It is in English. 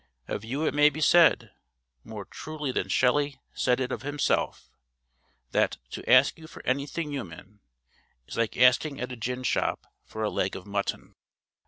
Of you it may be said, more truly than Shelley said it of himself, that 'to ask you for anything human, is like asking at a gin shop for a leg of mutton.'